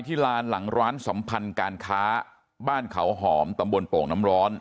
ลานหลังร้านสัมพันธ์การค้าบ้านเขาหอมตำบลโป่งน้ำร้อน